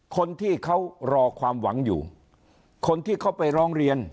คนที่เขารอความหวังอยู่คนที่เขาไปร้องเรียน